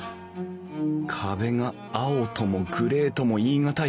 壁が青ともグレーとも言い難い落ち着いた色。